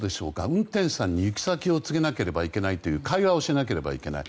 運転手さんに行き先を告げるという会話をしなければいけない。